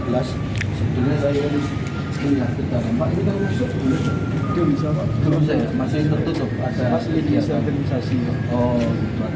pak ini kan masuk